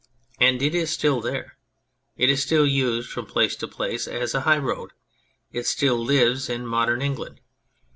And it is still there ; it is still used from place to place as a high road, it still lives in modern England.